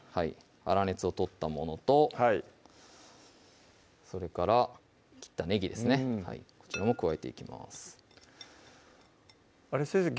粗熱を取ったものとそれから切ったねぎですねこちらも加えていきます先生